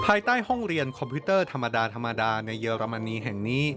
ภายใต้ห้องเรียนคอมพิวเตอร์ธรรมดาธรรมดาในเยอรมนีแห่งนี้